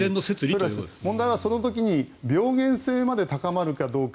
問題はその時に病原性まで高まるかどうか。